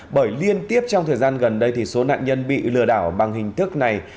bởi liên tiếp trong thời gian gần đây thì số nạn nhân bị lừa đảo bằng hình thức này